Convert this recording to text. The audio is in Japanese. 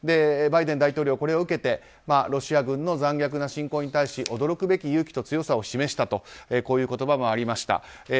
バイデン大統領はこれを受けてロシア軍の残虐な侵攻に対し驚くべき勇気と強さを示したという言葉もありました。